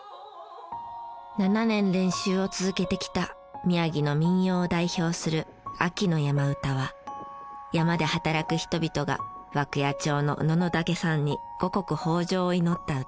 ７年練習を続けてきた宮城の民謡を代表する『秋の山唄』は山で働く人々が涌谷町の箟岳山に五穀豊穣を祈った歌。